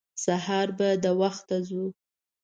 سهار به د وخته ځو.